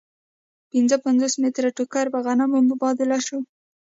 پنځه پنځوس متره ټوکر په غنمو مبادله شو